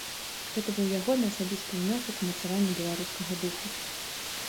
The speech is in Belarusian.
Гэта быў ягоны асабісты ўнёсак у мацаванне беларускага духу.